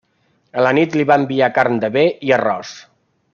A la nit li va enviar carn de bé i arròs.